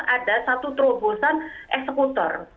nah artinya harus ada satu terobosan eksekutor